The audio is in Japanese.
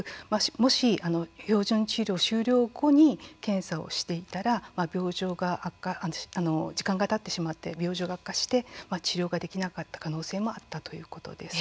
もし標準治療終了後に検査をしていたら病状が悪化して時間がかかってしまい病状が悪化して治療できなかった可能性もあったとのことでした。